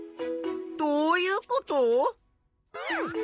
どういうこと？